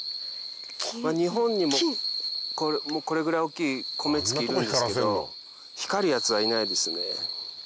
日本にもこれぐらい大きいコメツキいるんですけど光るやつはいないですね。